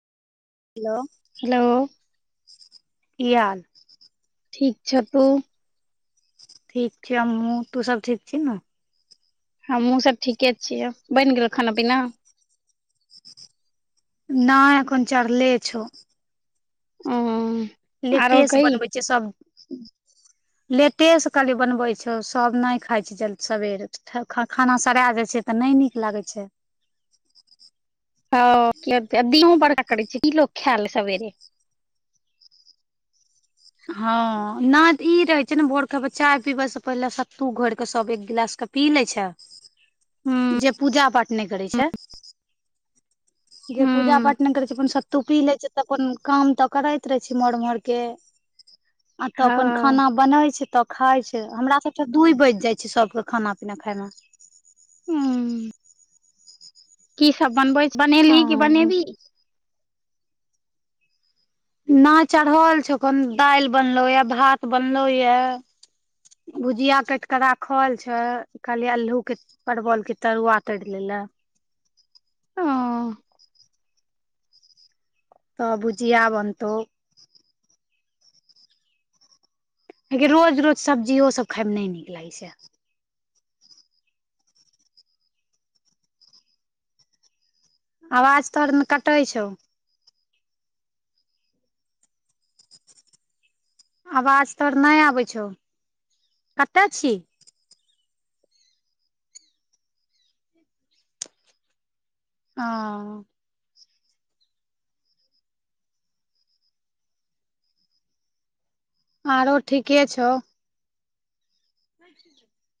Hello! Hello! कि हाल। ठीक छै तऽ ठीक छी हमहुँ, तू सब ठीक छी ने? हमहुँ सभ ठीके छियै, बनि गेल खाना- पीना? नहि एखन चढलेले छौ। ओ। लेटे आरो से कही बनबै छियै सब लेटेसँ कहलियी बनबै छौ, सब नहि खाइ छै जद सबेर। खाना सड़ा जाइ छै, तऽ नहि नीक लागै छै। हँ दीहुँ बड़ ककड़ै छै, की लोक खैल सबेर। हँ, नद ई रहे छै ने, भोर ख चाय पीबे से पहिले, सत्तू घोर के सब एक गिलास के पी लै छ। ह जे पूजा पाठ नहि करै छै। ह पूजा हँ पठ नहि करै छै, सत्तू पी लै छै। तऽ अपन काम तऽ करै रहेै छी इम्हर मोहर के- आतऽ अपन ह खाना बनै छै तऽ- खाय छै हमरा सब के दुइय बाइज जाय छै सबके खाना पीना खाय मे- हूँ की सब बनबै बनेली कि ओ बनेबी? नैय चढ़ल छौ अखन दैल बनलो येए भात बनलो येए। भुजिया कैट के राखल छै कहलियै अल्हू के परवल के तरुआ तैर लेै लए। ओ तऽ भुजिया बनतौ। गै रोज रोज सब्जियो सब खाय मे नै नीक लागै छै। आवाज तोहर न कटै छौ। आवाज तोर नै अबै छी कतऽ छी? हँ। आरो ठीके छौ। नै।